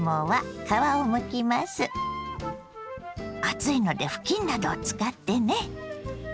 熱いので布巾などを使ってね。